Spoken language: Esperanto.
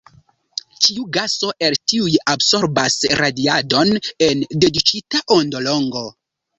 Ĉiu gaso el tiuj absorbas radiadon en dediĉita ondolongo.